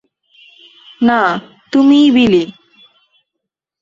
না, তুমিই বিলি।